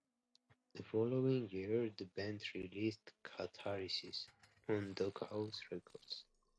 The following year, the band released "Catharsis," on Doghouse Records.